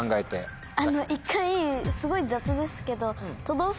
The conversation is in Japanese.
一回すごい雑ですけど。